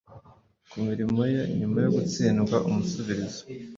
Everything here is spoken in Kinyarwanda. ku mirimo ye nyuma yo gutsindwa umusubirizo